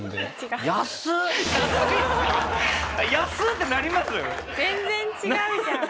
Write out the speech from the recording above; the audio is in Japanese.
「安っ！」ってなりますよね。